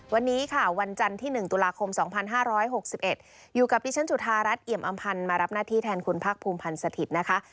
วันนี้ค่ะวันจันทร์ที่๑ตุลาคม๒๕๖๑อยู่กับดิฉันจุธารัฐเอี่ยมอำพันธ์มารับหน้าที่แทนคุณภาคภูมิพันธ์สถิตย์นะคะ